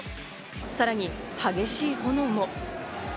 さらに激しい炎も。